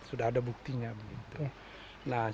apakah risiko itu sudah ada di dalam masyarakat